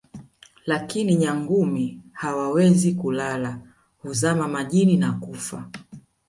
lakini Nyangumi hawawezi kulala huzama majini na kufa